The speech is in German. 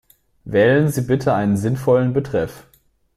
Wählen Sie bitte einen sinnvollen Betreff.